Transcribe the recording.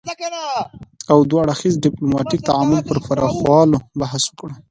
او دوه اړخیز ديپلوماتيک تعامل پر پراخولو بحث وکړ